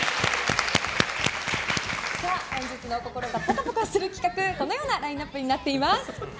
本日も心がぽかぽかする企画このようなラインアップになっています。